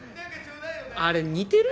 あれ似てる？